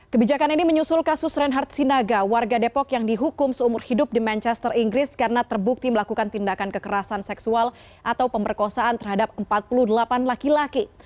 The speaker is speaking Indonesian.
kebijakan ini menyusul kasus reinhard sinaga warga depok yang dihukum seumur hidup di manchester inggris karena terbukti melakukan tindakan kekerasan seksual atau pemberkosaan terhadap empat puluh delapan laki laki